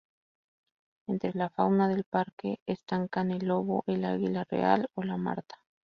Entre la fauna del parque destacan el lobo, el águila real o la marta.